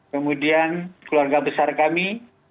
kemudian keluarga besar kami